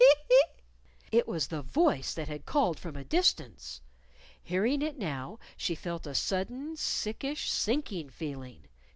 "Tee! hee! hee! hee!" It was the voice that had called from a distance. Hearing it now she felt a sudden, sickish, sinking feeling.